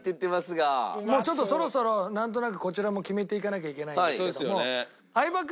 もうちょっとそろそろなんとなくこちらも決めていかなきゃいけないんですけども。